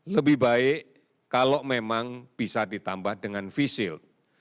lebih baik kalau memang bisa ditambah dengan face shield